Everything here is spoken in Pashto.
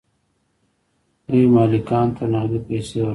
دوی مالکانو ته نغدې پیسې ورکولې.